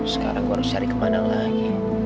sekarang gue harus cari kemana lagi